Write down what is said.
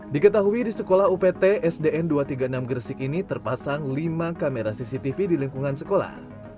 diketahui di sekolah upt sdn dua ratus tiga puluh enam gresik ini terpasang lima kamera cctv di lingkungan sekolah